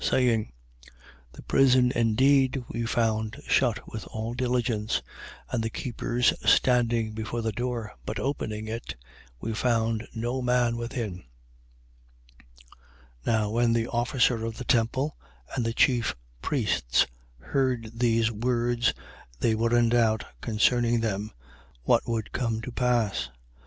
Saying: The prison indeed we found shut with all diligence, and the keepers standing before the door: but opening it, we found no man within. 5:24. Now when the officer of the temple and the chief priests heard these words, they were in doubt concerning them, what would come to pass.